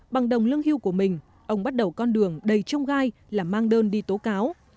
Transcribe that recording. bằng đồng lương hưu của mình ông bắt đầu con đường đầy trông gai là mang đơn đi tố cáo